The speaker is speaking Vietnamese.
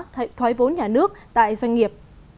thay thoái vốn nhà nước tại doanh nghiệp